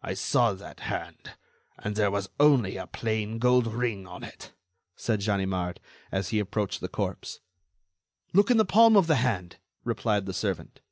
"I saw that hand, and there was only a plain gold ring on it," said Ganimard, as he approached the corpse. "Look in the palm of the hand," replied the servant.